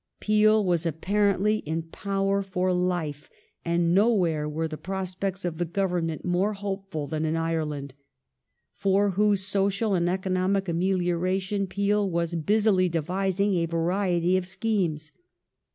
Peel was apparently in power for life, and nowhere were the pro spects of the Government more hopeful than in Ireland, for whose social and economic amelioration Peel was busily devising a variety of schemes.